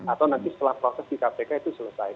atau nanti setelah proses di kpk itu selesai